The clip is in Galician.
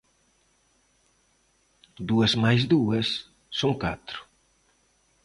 Dúas máis dúas son catro.